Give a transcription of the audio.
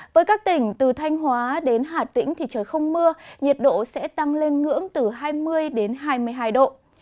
với các tỉnh từ thanh hóa đến hà tĩnh thì trời không mưa nhiệt độ sẽ tăng lên ngưỡng từ hai mươi đến hai mươi hai độ